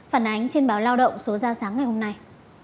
phản ánh trên báo lao động số ra sáng ngày hôm nay